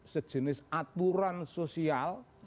sejenis aturan sosial